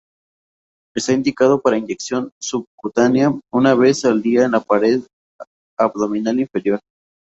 Está indicado para inyección subcutánea una vez al día en la pared abdominal inferior.